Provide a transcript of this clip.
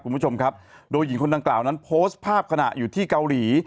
คุณผู้ชมครับโดยหญิงคนดังกล่าวนั้นโพสต์ภาพขณะอยู่ที่เกาหลี